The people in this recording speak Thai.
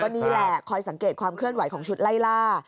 นี่แหละคอยสังเกตความเคลื่อนไหวของชุดไล่ล่า